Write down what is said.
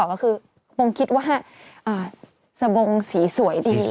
คงคิดว่าสบงสีสวยดี